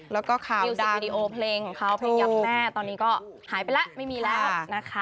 แล้วก็ข่าวดังถูกแล้วก็ค่าวเพลงยังแม่ตอนนี้ก็หายไปแล้วไม่มีแล้วนะคะ